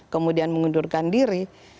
kemudian mengundurkan diri